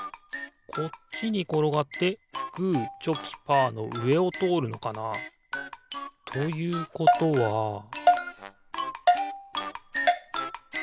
こっちにころがってグーチョキパーのうえをとおるのかな？ということはピッ！